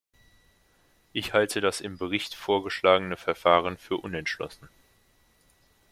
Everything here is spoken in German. Ich halte das im Bericht vorgeschlagene Verfahren für unentschlossen.